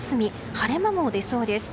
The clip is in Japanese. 晴れ間も出そうです。